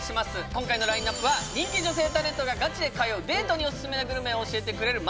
今回のラインナップは人気女性タレントがガチで通うデートにおすすめなグルメを教えてくれるＭＹＢＥＳＴ